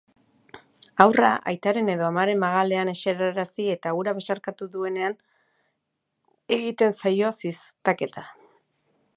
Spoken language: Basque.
Haurra aitaren edo amaren magalean eserarazi eta hura besarkatu duenean egiten zaio ziztaketa.